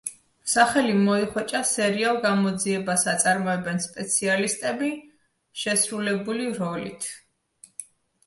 სახელი მოიხვეჭა სერიალ „გამოძიებას აწარმოებენ სპეციალისტები“ შესრულებული როლით.